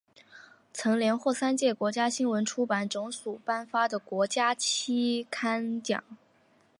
曾连获三届国家新闻出版总署颁发的国家期刊奖。